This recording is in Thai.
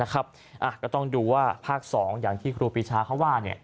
ก็ต้องดูว่าภาค๒อย่างที่ครูปีชาเขาว่า